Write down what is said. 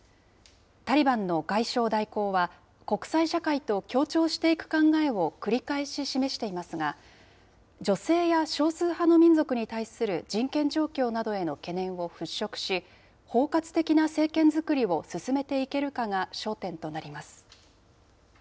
タリバンの外相代行は、国際社会と協調していく考えを繰り返し示していますが、女性や少数派の民族に対する人権状況などへの懸念を払拭し、包括的な政権作りを進めていけるかが焦点となります。